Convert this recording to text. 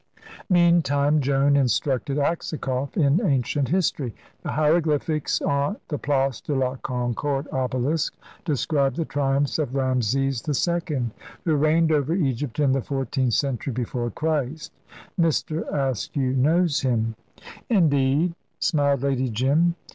Meantime Joan instructed Aksakoff in ancient history. "The hieroglyphics on the Place de la Concorde Obelisk describe the triumphs of Rameses II., who reigned over Egypt in the fourteenth century before Christ. Mr. Askew knows him." "Indeed?" smiled Lady Jim.